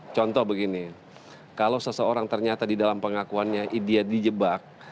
contoh begini kalau seseorang ternyata di dalam pengakuannya dia dijebak